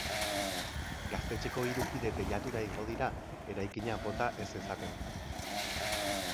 Gaztetxeko hiru kide teilatura igo dira, eraikina bota ez zezaten.